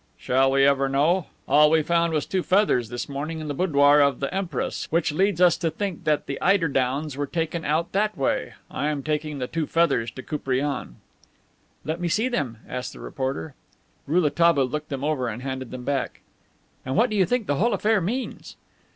"Shall we ever know? All we found was two feathers, this morning, in the boudoir of the Empress, which leads us to think that the eider downs were taken out that way. I am taking the two feathers to Koupriane." "Let me see them," asked the reporter. Rouletabille looked them over and handed them back. "And what do you think the whole affair means?"